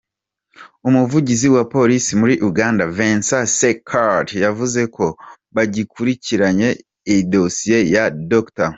Umuvugizi wa Police muri Uganda Vincent Ssekate ,yavuze ko bagikurikiranye idosiye ya Dr.